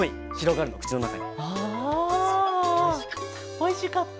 おいしかった。